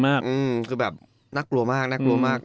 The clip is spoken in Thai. น่ากลัวมากน่ากลัวมาก